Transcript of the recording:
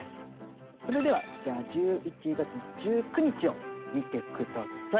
それではじゃあ１１月１９日を見てください。